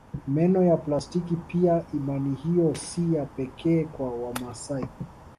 Meno ya plastiki pia imani hiyo si ya pekee kwa Wamasai